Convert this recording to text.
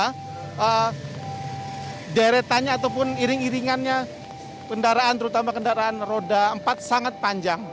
karena deretannya ataupun iring iringannya kendaraan terutama kendaraan roda empat sangat panjang